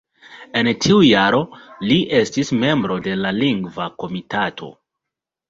En tiu jaro li estis membro de la Lingva Komitato.